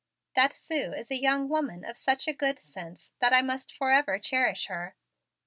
That Sue is a young woman of such a good sense that I must forever cherish her.